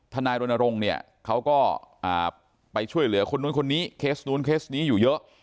นายรณรงค์เนี่ยเขาก็ไปช่วยเหลือคนนู้นคนนี้เคสนู้นเคสนี้อยู่เยอะ